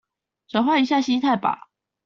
轉換一下心態吧